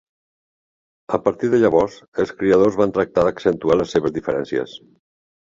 A partir de llavors, els criadors van tractar d'accentuar les seves diferències.